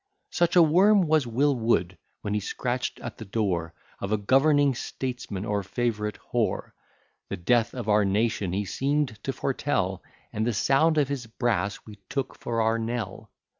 Such a worm was Will Wood, when he scratch'd at the door Of a governing statesman or favourite whore; The death of our nation he seem'd to foretell, And the sound of his brass we took for our knell.